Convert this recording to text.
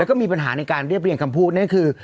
แล้วก็มีปัญหาในการเรียบเรียงคำพูดเนี่ยคือ